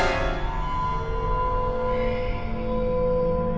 aku mau lihat